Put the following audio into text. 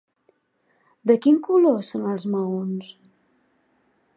De quin color són els maons?